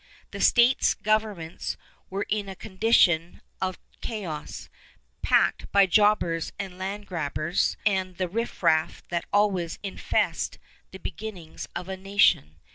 The States Governments were in a condition of chaos, packed by jobbers and land grabbers and the riffraff that always infest the beginnings of a nation.